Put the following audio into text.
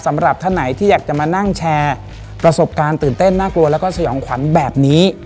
สำหรับท่านไหนที่อยากจะมานั่งแชร์ประสบการณ์ตื่นเต้นน่ากลัวแล้วก็สยองขวัญแบบนี้